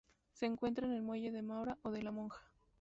Se encuentra en el muelle de Maura o de la Monja.